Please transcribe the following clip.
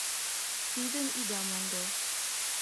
Тидым ида мондо...